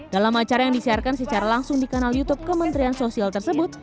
dalam acara yang disiarkan secara langsung di kanal youtube kementerian sosial tersebut